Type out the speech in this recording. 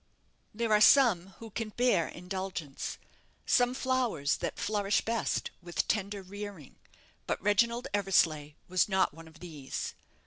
There are some who can bear indulgence, some flowers that flourish best with tender rearing; but Reginald Eversleigh was not one of these.